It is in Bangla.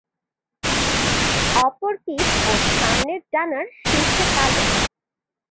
ওপর পিঠ ও সামনের ডানার শীর্ষে কালো।